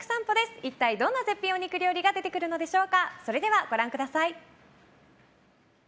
一体どんな絶品お肉が出てくるのでしょうか。